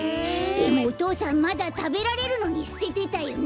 でもお父さんまだたべられるのにすててたよね。